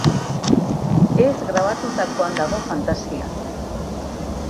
Ez grabatutakoan dago fantasia.